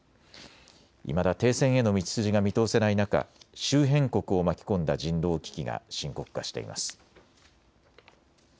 いまだ停戦への道筋が見通せない中、周辺国を巻き込んだ人道危機が深刻化しています。